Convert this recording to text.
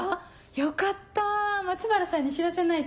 よかった松原さんに知らせないと。